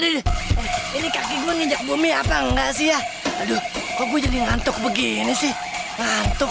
nih ini kaki gue ngajak bumi apa enggak sih ya aduh kok gue jadi ngantuk begini sih ngantuk